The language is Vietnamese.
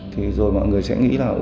thì rồi mọi người sẽ nghĩ là